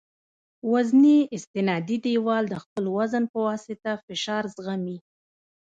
وزني استنادي دیوال د خپل وزن په واسطه فشار زغمي